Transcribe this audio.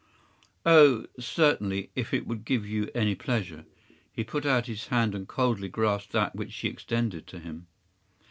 ” “Oh, certainly, if it would give you any pleasure.” He put out his hand and coldly grasped that which she extended to him.